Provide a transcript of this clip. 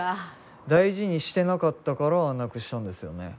大事にしてなかったからなくしちゃうんですよね。